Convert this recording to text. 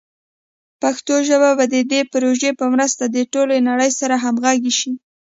پښتو ژبه به د دې پروژې په مرسته د ټولې نړۍ سره همغږي شي.